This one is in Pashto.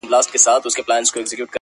له خدای وطن سره عجیبه مُحبت کوي,